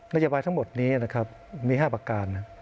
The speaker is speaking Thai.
นโยบายทั้งหมดนี้นะครับมี๕ประการ